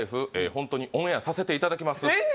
ホントにオンエアさせていただきますえっ？